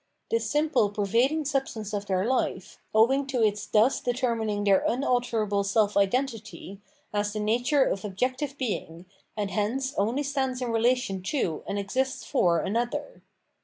This simple pervading sub stance of their life, owing to its thus determining their unalterable self identity, has the nature of objective being, and hence only stands in relation to and exists for ''another.'